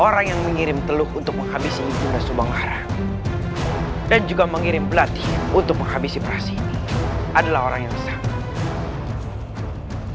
orang yang mengirim telur untuk menghabisi yuda subanglarang dan juga mengirim pelatihan untuk menghabisi perasaan ini adalah orang yang sangat